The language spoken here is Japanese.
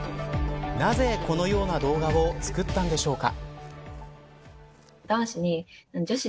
なぜこのような動画を作ったんでしょうか。